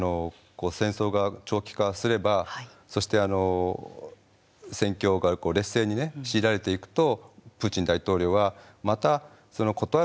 戦争が長期化すればそして戦況が劣勢に強いられていくとプーチン大統領はまた事あるごとにね